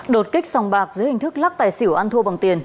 đột kích sòng bạc dưới hình thức lắc tài xỉu ăn thua bằng tiền